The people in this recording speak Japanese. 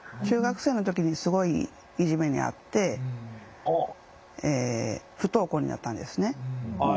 中学生の時にすごいいじめにあって不登校になったんですね。